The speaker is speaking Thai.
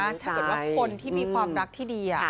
ถ้าเกิดว่าคนที่มีความรักที่ดี